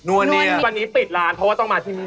วันนี้ปิดร้านเพราะว่าต้องมาที่นี่